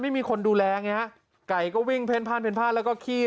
ไม่มีคนดูแลไงฮะไก่ก็วิ่งเพ่นพ่านเพ่นพ่านแล้วก็ขี้